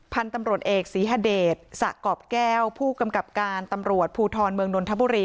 พันธุ์ตำรวจเอกศรีฮเดชสะกรอบแก้วผู้กำกับการตำรวจภูทรเมืองนนทบุรี